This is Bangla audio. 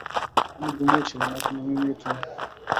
আমি ঘুমিয়েছিলাম, এখন আমি মৃত।